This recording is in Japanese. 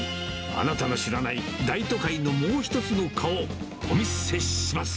あなたの知らない大都会のもう一つの顔、お見せします。